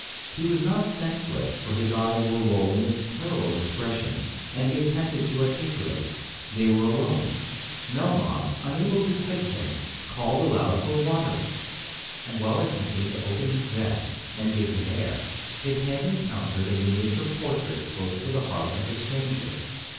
He was not senseless, for his eyes were rolling with terrible expression, and he attempted to articulate. They were alone. Melmoth, unable to quit him, called aloud for water; and while attempting to open his vest, and give him air, his hand encountered a miniature portrait close to the heart of the stranger.